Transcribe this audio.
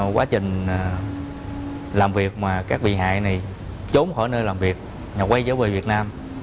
quá trình làm việc mà các bị hại này trốn khỏi nơi làm việc và quay trở về việt nam